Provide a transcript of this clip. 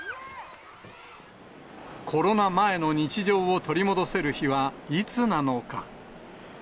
コロナ前の日常を取り戻せる日はいつなのか。